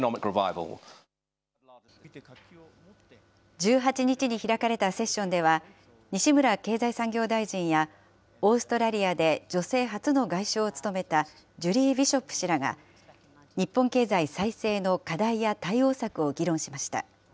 １８日に開かれたセッションでは、西村経済産業大臣や、オーストラリアで女性初の外相を務めたジュリー・ビショップ氏らが、日本経済再生の課題や対応策を議論しました。